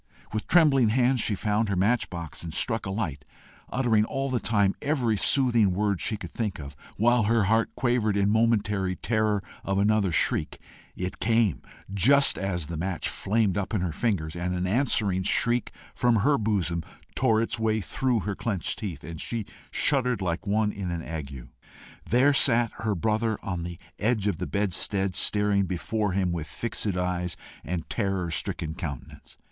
With trembling hands she found her match box and struck a light, uttering all the time every soothing word she could think of, while her heart quavered in momentary terror of another shriek. It came just as the match flamed up in her fingers, and an answering shriek from her bosom tore its way through her clenched teeth, and she shuddered like one in an ague. There sat her brother on the edge of the bedstead staring before him with fixed eyes and terror stricken countenance.